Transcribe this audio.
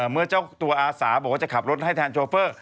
เมื่อเจ้าตัวอาสาบอกว่าจะขับรถให้แทนโชเฟอร์